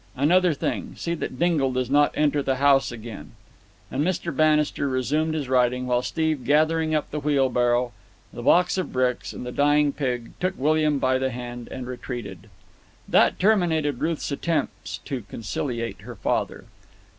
"Another thing. See that Dingle does not enter the house again." And Mr. Bannister resumed his writing, while Steve, gathering up the wheelbarrow, the box of bricks, and the dying pig, took William by the hand and retreated. That terminated Ruth's attempts to conciliate her father.